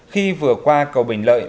khi vừa qua cầu bình lợi